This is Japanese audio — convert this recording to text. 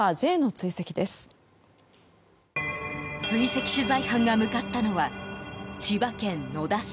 追跡取材班が向かったのは千葉県野田市。